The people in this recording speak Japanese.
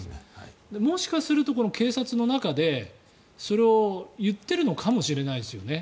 もしかすると警察の中でそれを言ってるのかもしれないですよね。